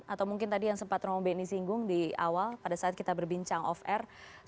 atau mungkin tadi yang sempat romo beni singgung di awal pada saat kita berbincang off air